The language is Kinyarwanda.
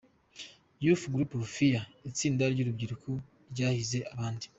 Youth group of the year: Itsinda ry’urubyiruko rwahize abandi.